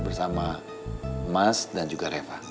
bersama mas dan juga reva